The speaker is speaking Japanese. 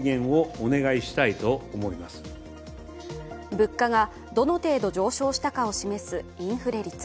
物価がどの程度上昇したかを示すインフレ率。